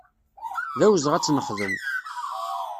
D awezɣi ad tt-nexdem.